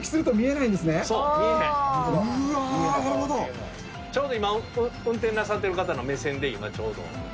ちょうど今運転なさってる方の目線で今ちょうど。